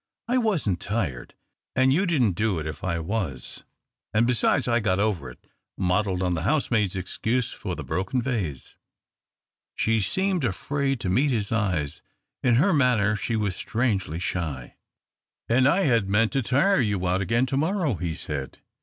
I wasn't tired, and you didn't do it if I was, and besides I've got over it — modelled on the housemaid's excuse for the broken vase." She seemed afraid to meet his eyes ; in her manner she was strangely shy. " And I had meant to tire you again to morrow," he said.